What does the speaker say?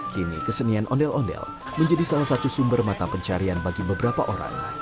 kini kesenian ondel ondel menjadi salah satu sumber mata pencarian bagi beberapa orang